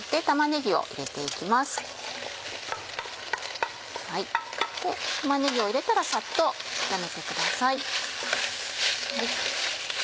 玉ねぎを入れたらサッと炒めてください。